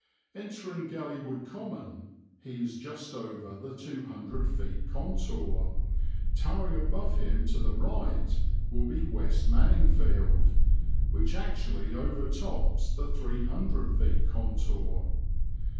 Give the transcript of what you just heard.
Entering Galleywood Common he is just over the 200 feet contour; towering above him to the right will be West Manningfield, which actually over tops the 300 feet contour.